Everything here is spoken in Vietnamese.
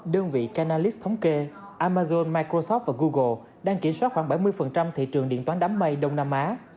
đơn vị kenalals thống kê amazon microsoft và google đang kiểm soát khoảng bảy mươi thị trường điện toán đám mây đông nam á